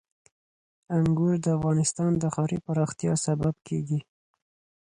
انګور د افغانستان د ښاري پراختیا سبب کېږي.